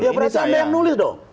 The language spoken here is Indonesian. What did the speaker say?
ya berarti anda yang nulis dong